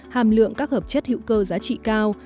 hàm lượng các hợp chất hữu cơ giá trị cao